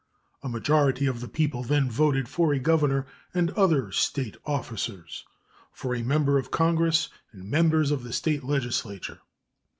A majority of the people then voted for a governor and other State officers, for a Member of Congress and members of the State legislature.